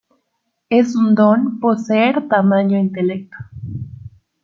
Es un don poseer tamaño intelecto.